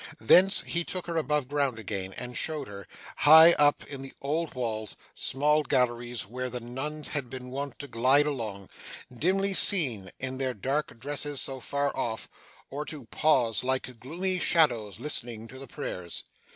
Thence, he took her above ground again, and showed her, high up in the old walls, small galleries, where the nuns had been wont to glide along dimly seen in their dark dresses so far off or to pause like gloomy shadows, listening to the prayers.